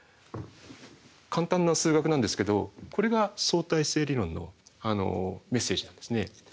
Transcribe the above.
簡単な数学なんですけどこれが相対性理論のメッセージなんですね。